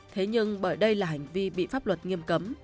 thế nhưng bởi đây là hành vi bị pháp luật nghiêm cấm